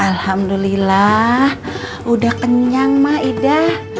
alhamdulillah udah kenyang mah ida